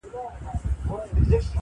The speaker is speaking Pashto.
دولتمند که ډېر لیري وي خلک یې خپل ګڼي -